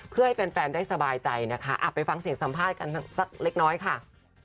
เพื่อให้แฟนได้สบายใจนะคะไปฟังเสียงสัมภาษณ์กันสักเล็กน้อยค่ะ